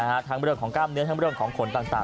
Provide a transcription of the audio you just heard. ทั้งเป็นเรื่องของกล้ามเนื้อทั้งเป็นเรื่องของขนต่างต่าง